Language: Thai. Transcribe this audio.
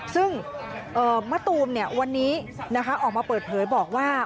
ซึ่งมะตูมเนี่ยวันนี้นะคะออกมาเปิดเผยบอกว่า